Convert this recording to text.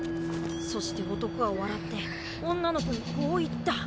そして男は笑って女の子にこう言った。